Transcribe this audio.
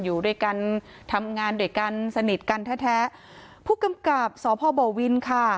อยู่ด้วยกันทำงานด้วยกันสนิทกันแท้แท้ผู้กำกับสพบวินค่ะ